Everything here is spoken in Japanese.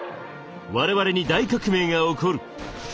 我々に大革命が起こる。